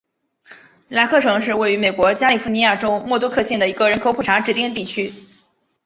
莱克城是位于美国加利福尼亚州莫多克县的一个人口普查指定地区。